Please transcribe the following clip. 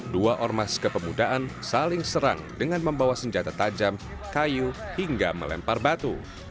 dua ormas kepemudaan saling serang dengan membawa senjata tajam kayu hingga melempar batu